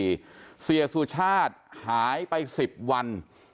กระบี่เสียสู่ชาติหายไป๑๐วัน